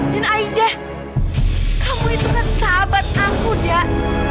dan aida kamu itu kan sahabat aku zah